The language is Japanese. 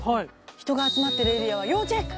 人が集まっているエリアは要チェック！